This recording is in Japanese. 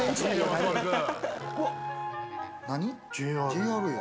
ＪＲＡや。